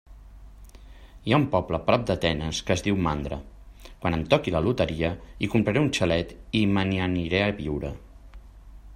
Hi ha un poble prop d'Atenes que es diu Mandra. Quan em toqui la loteria hi compraré un xalet i me n'hi aniré a viure.